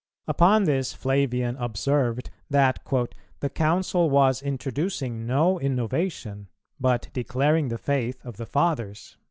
Upon this Flavian observed that "the Council was introducing no innovation, but declaring the faith of the Fathers."